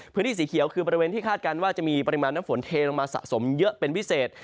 พื้นที่สีเขียวมันคือปริมาณน้ำฝนเทลงมาสะสมเยอะเป็นพิเศษ